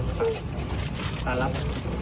นะครับ